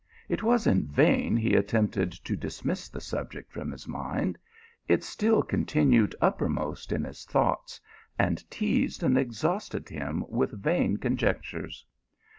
It was in vain he attempted to dismiss the subject from his mind; it still continued uppermost in his thoughts, ?,nd teased and exhausted him with vain conjectures.